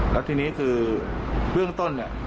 และที่นี่คือเยื่องต้น